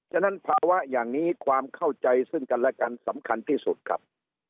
ฉะนั้นภาวะอย่างนี้ความเข้าใจซึ่งกันและกันสำคัญที่สุดครับ